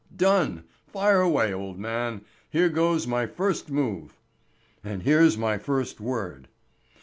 "Done! Fire away, old man; here goes my first move!" "And here my first word."